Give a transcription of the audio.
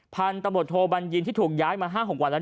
พันธบทโทบัญญินที่ถูกย้ายมา๕๖วันแล้ว